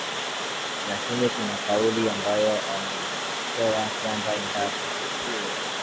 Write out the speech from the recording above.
lakini kuna kauli ambayo ameitoa kwamba endapo